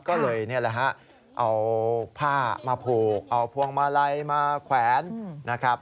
ก็เลยนี่แหละฮะเอาผ้ามาผูกเอาพวงมาลัยมาแขวนนะครับ